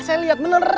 saya lihat bener